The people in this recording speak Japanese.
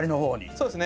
そうですね。